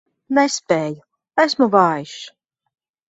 Nespēju, esmu vājš.